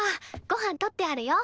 ごはん取ってあるよ。